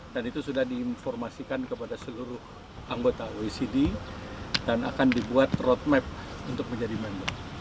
dan itu sudah diinformasikan kepada seluruh anggota oecd dan akan dibuat roadmap untuk menjadi member